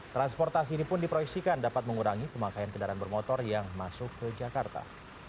transportasi ini pun diproyeksikan dapat mengurangi pemakaian kendaraan bermotor yang masuk ke jakarta